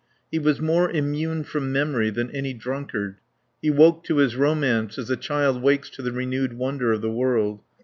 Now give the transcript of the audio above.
He was more immune from memory than any drunkard. He woke to his romance as a child wakes to the renewed wonder of the world.